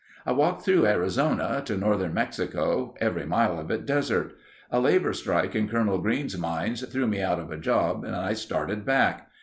"I walked through Arizona, to Northern Mexico—every mile of it desert. A labor strike in Colonel Green's mines threw me out of a job and I started back.